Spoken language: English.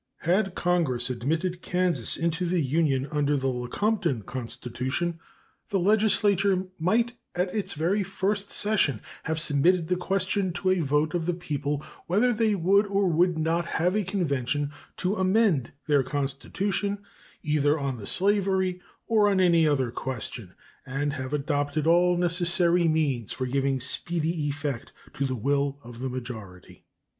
Had Congress admitted Kansas into the Union under the Lecompton constitution, the legislature might at its very first session have submitted the question to a vote of the people whether they would or would not have a convention to amend their constitution, either on the slavery or any other question, and have adopted all necessary means for giving speedy effect to the will of the majority.